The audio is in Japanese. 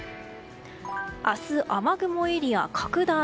明日、雨雲エリア拡大。